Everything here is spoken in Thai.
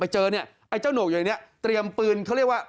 เจอเนี่ยไอ้เจ้าโหนกอยู่ในนี้เตรียมปืนเขาเรียกว่า